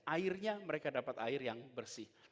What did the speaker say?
airnya mereka dapat air yang bersih